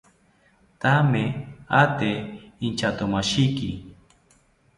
Thame ate inchatomashiki